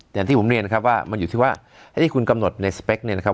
อย่างที่ผมเรียนนะครับว่ามันอยู่ที่ว่าไอ้ที่คุณกำหนดในสเปคเนี่ยนะครับ